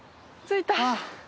着いた。